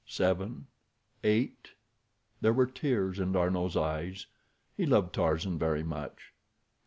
Seven! Eight! There were tears in D'Arnot's eyes. He loved Tarzan very much.